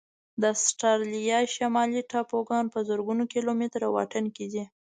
د استرالیا شمالي ټاپوګان په زرګونو کيلومتره واټن کې دي.